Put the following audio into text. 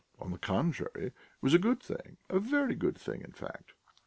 On the contrary, it was a good thing a very good thing, in fact.